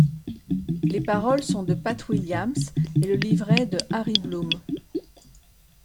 Les paroles sont de Pat Willams et le livret de Harry Bloom.